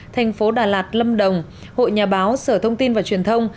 thành phố đà lạt lâm đồng hội nhà báo sở thông tin và truyền thông